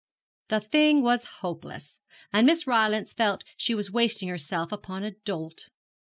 The thing was hopeless, and Miss Rylance felt she was wasting herself upon a dolt.